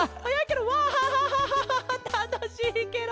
たのしいケロ！